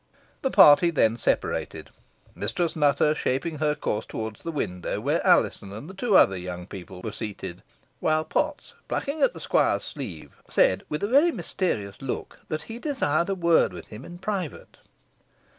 The party then separated; Mistress Nutter shaping her course towards the window where Alizon and the two other young people were seated, while Potts, plucking the squire's sleeve, said, with a very mysterious look, that he desired a word with him in private.